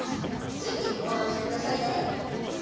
是非フォローしてくださいね